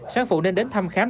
sân phụ nên đến thăm khám